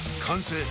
完成！